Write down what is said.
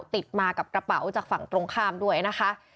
ติดมากับกระเป๋าจากฝั่งตรงข้ามด้วยนะคะ